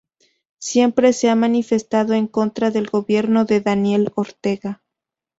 Siempre se ha manifestado en contra del gobierno de Daniel Ortega.